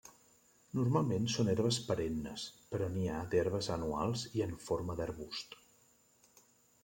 Normalment són herbes perennes però n'hi ha d'herbes anuals i en forma d'arbust.